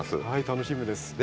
はい楽しみです。